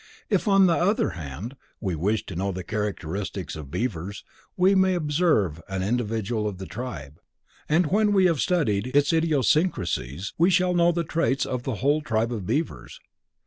If, on the other hand, we wish to know the characteristics of beavers, we may observe any individual of the tribe, and when we have studied its idiosyncrasies, we shall know the traits of the whole tribe of beavers.